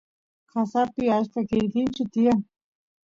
qasapi achka quirquinchu tiyan